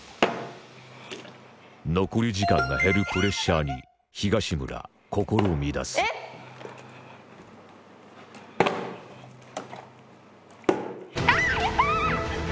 残り時間が減るプレッシャーに東村心を乱すあぁ！